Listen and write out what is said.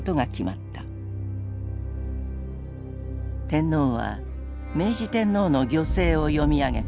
天皇は明治天皇の御製を読み上げた。